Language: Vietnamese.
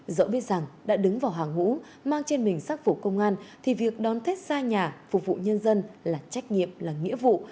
dẫu biết rằng đã đứng vào hàng ngũ mang trên mình sắc phục công an thì việc đón tết xa nhà phục vụ nhân dân là trách nhiệm là nghĩa vụ